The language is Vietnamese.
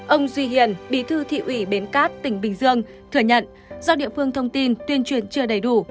ông duy hiền bí thư thị ủy bến cát tỉnh bình dương thừa nhận do địa phương thông tin tuyên truyền chưa đầy đủ